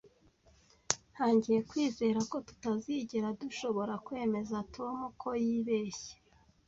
Ntangiye kwizera ko tutazigera dushobora kwemeza Tom ko yibeshye